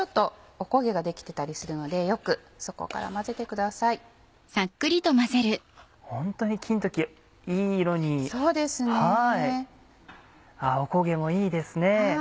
おこげもいいですね。